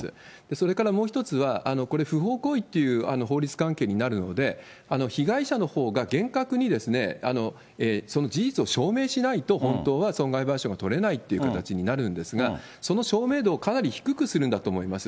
それからもう一つは、これ、不法行為っていうのは、法律関係になるので、被害者のほうが厳格にその事実を証明しないと、本当は損害賠償が取れないっていう形になるんですが、その証明度をかなり低くするんだと思います。